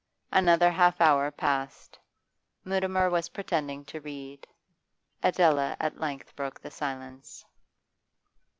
Another half hour passed. Mutimer was pretending to read. Adela at length broke the silence.